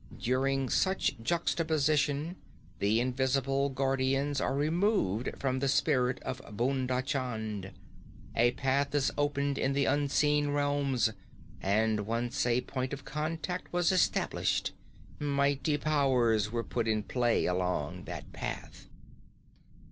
During such juxtaposition, the invisible guardians are removed from the spirit of Bhunda Chand. A path is opened in the unseen realms, and once a point of contact was established, mighty powers were put in play along that path.'